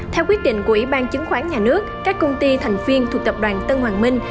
theo quyết định của ủy ban chứng khoán nhà nước các công ty thành viên thuộc tập đoàn tân hoàng minh